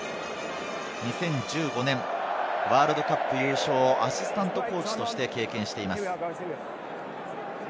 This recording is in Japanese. ２０１５年、ワールドカップ優勝、アシスタントコーチとして経験しています。